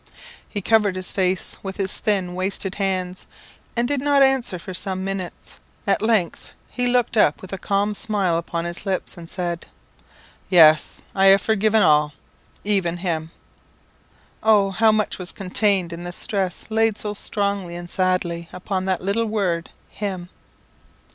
He covered his face with his thin, wasted hands, and did not answer for some minutes; at length he looked up with a calm smile upon his lips, and said "Yes, I have forgiven all even him! " Oh, how much was contained in the stress laid so strongly and sadly upon that little word _Him!